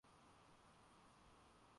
Wagiriama ni wengi.